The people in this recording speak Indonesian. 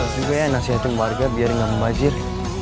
juga ya nasihatin warga biar gak membajir